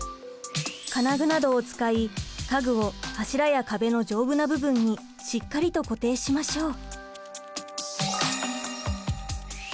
金具などを使い家具を柱や壁の丈夫な部分にしっかりと固定しましょう。